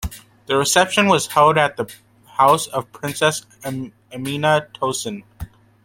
The reception was held at the house of Princess Emina Toussoun.